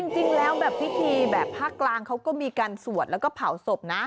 จริงแล้วแบบพิธีแบบภาคกลางเขาก็มีการสวดแล้วก็เผาศพนะ